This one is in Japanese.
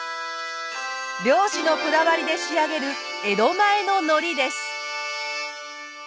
漁師のこだわりで仕上げる江戸前の海苔です。